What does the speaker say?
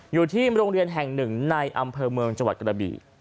อยู่ที่โรงเรียนแห่งหนึ่งในอำเภอเมืองจังหวัดกระบี่